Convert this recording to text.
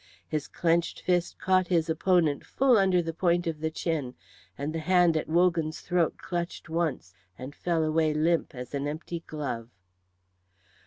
His clenched fist caught his opponent full under the point of the chin, and the hand at Wogan's throat clutched once and fell away limp as an empty glove.